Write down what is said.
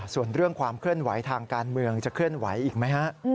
ส่วนเรื่องความเคลื่อนไหวทางการเมืองจะเคลื่อนไหวอีกไหมฮะ